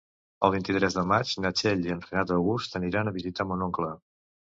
El vint-i-tres de maig na Txell i en Renat August aniran a visitar mon oncle.